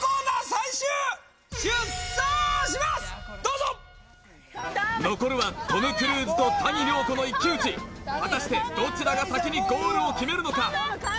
最終どうぞ残るはトム・クルーズと谷亮子の一騎打ち果たしてどちらが先にゴールを決めるのか？